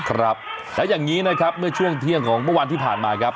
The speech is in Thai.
ครับแล้วอย่างนี้นะครับเมื่อช่วงเที่ยงของเมื่อวานที่ผ่านมาครับ